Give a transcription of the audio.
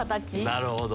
なるほど。